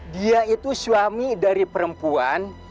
dia itu suami dari perempuan